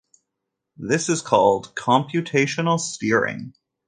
This is called "computational steering".